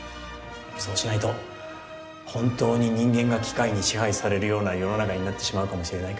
そうしないと本当に人間が機械に支配されるような世の中になってしまうかもしれないからね。